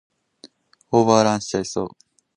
オーバーランしちゃいそう